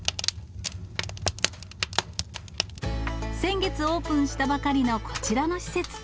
先月オープンしたばかりのこちらの施設。